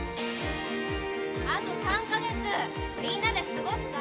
あと３カ月みんなで過ごす学園だろ？